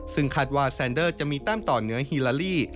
ซึ่งคาดว่าแซนเดอร์จะมีแต้มต่อเหนือฮีลาลี